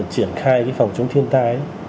triển khai cái phòng chống thiên tai